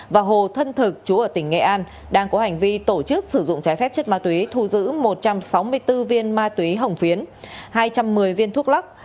và hồ thân thực chú ở tỉnh nghệ an đang có hành vi tổ chức sử dụng trái phép chất ma túy thu giữ một trăm sáu mươi bốn viên ma túy hồng phiến hai trăm một mươi viên thuốc lắc